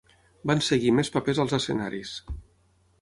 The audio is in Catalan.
Van seguir més papers als escenaris.